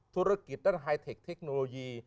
ธุรกิจด้านไฮเทคเทคโนโลยี